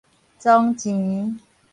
傱錢